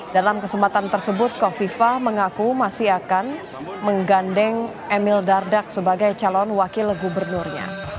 dalam kesempatan tersebut kofifah mengaku masih akan menggandeng emil dardak sebagai calon wakil gubernurnya